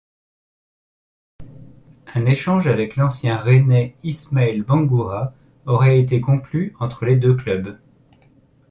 Un échange avec l'ancien rennais Ismaël Bangoura aurait été conclu entre les deux clubs.